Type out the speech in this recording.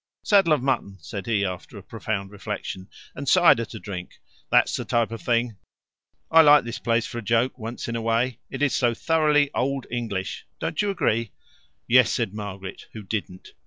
"Saddle of mutton," said he after profound reflection: "and cider to drink. That's the type of thing. I like this place, for a joke, once in a way. It is so thoroughly Old English. Don't you agree?" "Yes," said Margaret, who didn't.